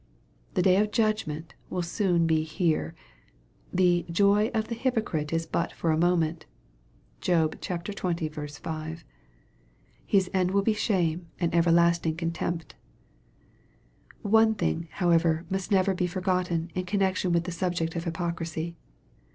The day of judgment will soon be here. The "joy of the hypocrite is but for a moment/' (Job xx. 5.) His end will be ehame and everlasting contempt. One thing, however, must never be forgotten in con nection with the subject of hypocrisy.